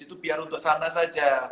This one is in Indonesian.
itu biar untuk sana saja